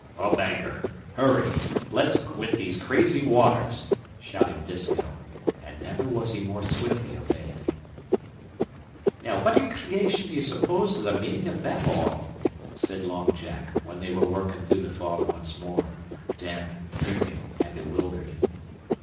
"Up anchor! Hurry! Let's quit these crazy waters," shouted Disko, and never was he more swiftly obeyed. "Now what in creation d'ye suppose is the meanin' o' that all?" said Long Jack, when they were working through the fog once more, damp, dripping, and bewildered.